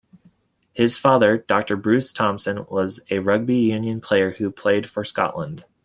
His father, Doctor Bruce Thomson, was a rugby union player who played for Scotland.